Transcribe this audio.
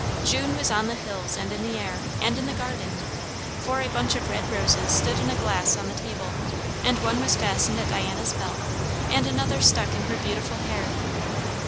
June was on the hills and in the air, and in the garden; for a bunch of red roses stood in a glass on the table, and one was fastened at Diana's belt and another stuck in her beautiful hair.